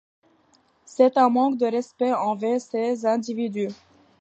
C’est un manque de respect envers ces individus.